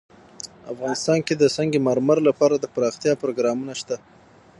افغانستان کې د سنگ مرمر لپاره دپرمختیا پروګرامونه شته.